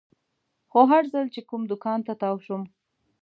خو هر ځل چې کوم دوکان ته تاو شوم.